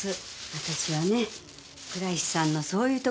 私はね倉石さんのそういうところがね